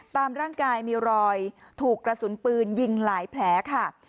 ตามร่างกายมีรอยถูกกระสุนปืนยิงหลายแผลค่ะ